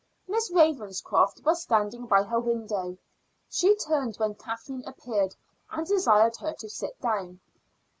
Miss Ravenscroft was standing by her window. She turned when Kathleen appeared, and desired her to sit down.